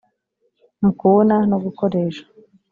mu kubona no gukoresha